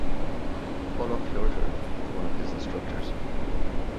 Olof Hiorter was one of his instructors.